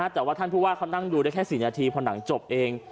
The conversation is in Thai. แต่ว่าท่านผู้ว่าเขานั่งดูได้แค่๔นาทีพอหนังจบเอง